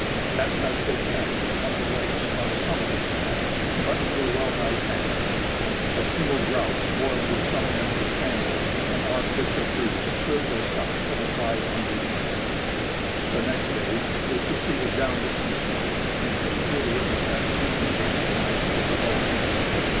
That night they camped at one of the lakes on the summit of the pass, but were wellnigh famished. A single grouse boiled with some ends of candles, and odd bits of grease, served as a supper to the five hungry men. The next day they proceeded down the east slope and came to a river that the Indian recognized as the Bow.